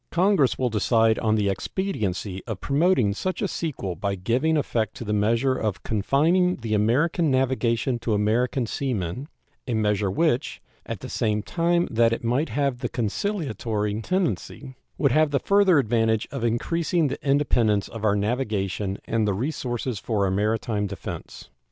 Congress will decide on the expediency of promoting such a sequel by giving effect to the measure of confining the American navigation to American sea men a measure which, at the same time that it might have that conciliatory tendency, would have the further advantage of increasing the independence of our navigation and the resources for our maritime defense.